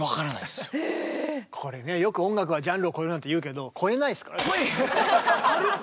これねよく音楽はジャンルを超えるなんていうけど超えないすからね。